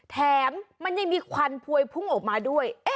แถมมันยังมีควันพวยพุ่งออกมาด้วย